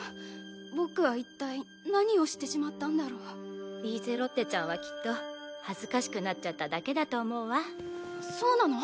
僕は一体何をしてしまったリーゼロッテちゃんはきっと恥ずかしくなっちゃっただけだと思うわそうなの？